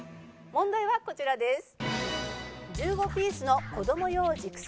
問題はこちらです。